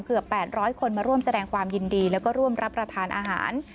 ๘๐๐คนมาร่วมแสดงความยินดีแล้วก็ร่วมรับประทานอาหาร